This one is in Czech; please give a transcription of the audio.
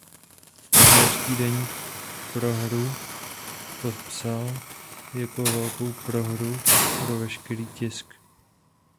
Newyorský deník prohru popsal jako „velkou prohru pro veškerý tisk“.